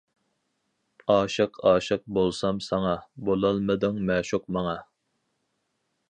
ئاشىق ئاشىق بولسام ساڭا، بولالمىدىڭ مەشۇق ماڭا.